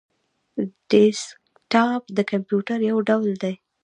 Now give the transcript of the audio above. ډیسکټاپ د کمپيوټر یو ډول دی